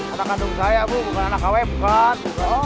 anak kandung saya bu bukan anak kw bukan